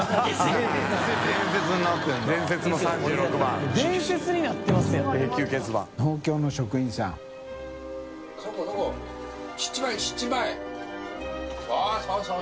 あっそうそう。